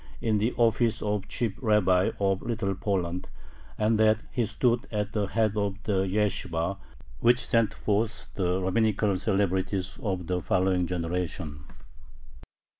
in the office of chief rabbi of Little Poland, and that he stood at the head of the yeshibah which sent forth the rabbinical celebrities of the following generation.